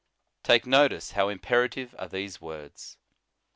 Take notice how imperative are these words.